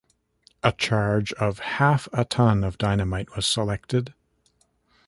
A charge of half a ton of dynamite was selected.